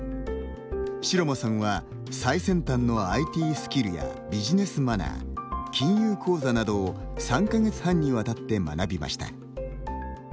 城間さんは最先端のＩＴスキルやビジネスマナー、金融講座などを３か月半に渡って学びました。